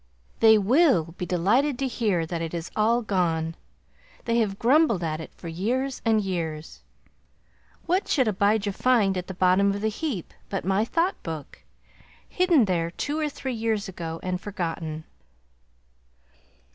They WILL be delighted to hear that it is all gone; they have grumbled at it for years and years. What should Abijah find at the bottom of the heap but my Thought Book, hidden there two or three years ago and forgotten!